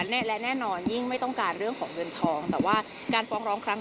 นี้ก็คือจุดประสงค์จริงของการฟ้องร้อง